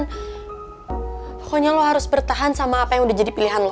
pokoknya lo harus bertahan sama apa yang udah jadi pilihan lo